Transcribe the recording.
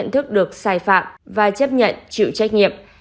thức được xài phạm và chấp nhận chịu trách nhiệm